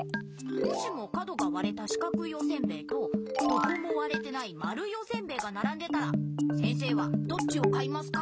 もしも角がわれたしかくいおせんべいとどこもわれてないまるいおせんべいがならんでたら先生はどっちを買いますか？